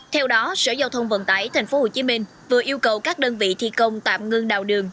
theo đó sở giao thông vận tải tp hcm vừa yêu cầu các đơn vị thi công tạm ngưng đào đường